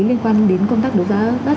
liên quan đến công tác đấu giá đất